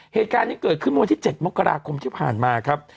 เหตุการณ์นี้เกิดขึ้นเมื่อวันที่๗มกราคมที่ผ่านมาครับ